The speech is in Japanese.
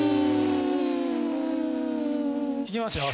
いきますよ